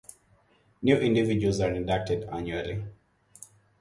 New individuals are inducted annually.